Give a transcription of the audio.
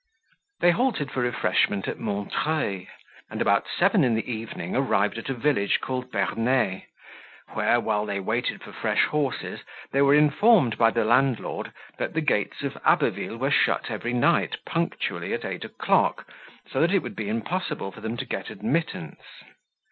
They halted for refreshment at Montreuil, and about seven in the evening arrived at a village called Bernay, where, while they waited for fresh horses, they were informed by the landlord that the gates of Abbeville were shut every night punctually at eight o'clock, so that it would be impossible for them to get admittance.